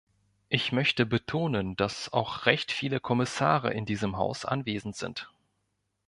Ich möchte betonen, dass auch recht viele Kommissare in diesem Haus anwesend sind.